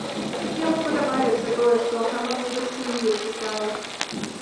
Яму падабаецца тое, што аграном нібы з кнігі чытае.